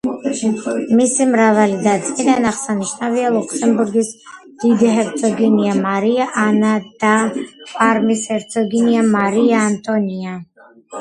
მისი მრავალი და-ძმიდან აღსანიშნავია ლუქსემბურგის დიდი ჰერცოგინია მარია ანა და პარმის ჰერცოგინია მარია ანტონია.